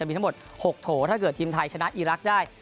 มีทั้งหมด๖โถถ้าเกิดทีมไทยชนะอีรักษ์ได้